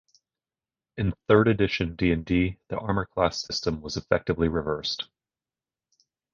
In third edition "D and D", the armor class system was effectively reversed.